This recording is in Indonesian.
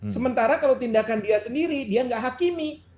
sementara kalau tindakan dia sendiri dia nggak hakimi